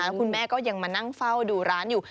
แล้วคุณแม่ก็ยังมานั่งเฝ้าดูร้านอยู่